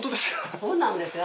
そうなんですよ。